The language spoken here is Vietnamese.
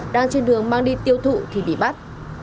đang trên đường mang đi tiêu thụ thì bị bắt